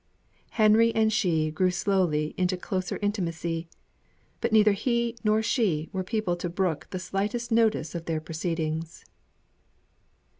Henry and she grew slowly into closer intimacy; but neither he nor she were people to brook the slightest notice of their proceedings.